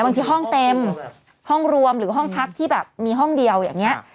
บางทีห้องเต็มห้องรวมหรือห้องพักที่แบบมีห้องเดียวอย่างนี้